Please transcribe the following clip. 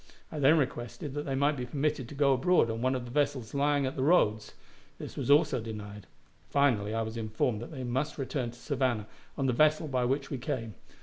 I then requested that they might be permitted to go abroad on one of the vessels lying at the Roads. This was also denied; finally, I was informed that they must return to Savannah on the vessel by which we came.